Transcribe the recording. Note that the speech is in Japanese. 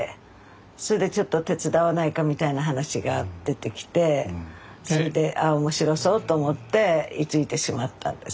それでちょっと手伝わないかみたいな話が出てきてそれであ面白そうと思って居ついてしまったんですよ。